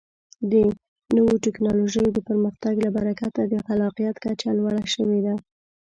د نوو ټکنالوژیو د پرمختګ له برکته د خلاقیت کچه لوړه شوې ده.